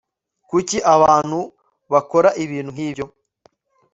Kuki abantu bakora ibintu nkibyo